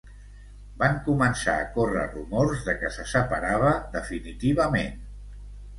Van començar a córrer rumors de què se separava definitivament.